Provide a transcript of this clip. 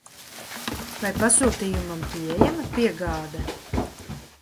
Vai pasūtījumam pieejama piegāde?